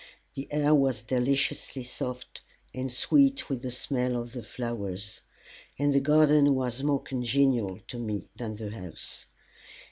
The air was deliciously soft and sweet with the smell of the flowers, and the garden was more congenial to me than the house.